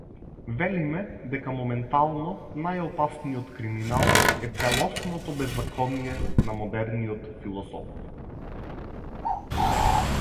Велиме дека моментално најопасниот криминал е целосното беззаконие на модерниот философ.